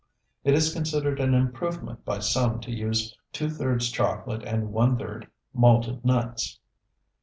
It is considered an improvement by some to use two thirds chocolate and one third malted nuts.